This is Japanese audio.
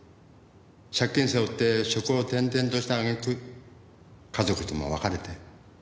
借金背負って職を転々とした揚げ句家族とも別れて。